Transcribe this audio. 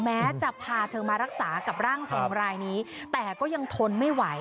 แม้จะพาเธอมารักษากับร่างทรงรายนี้แต่ก็ยังทนไม่ไหว